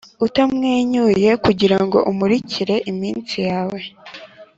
utamwenyuye kugirango umurikire iminsi yanjye,